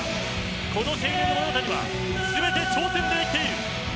この青年の中身は全て挑戦で生きている。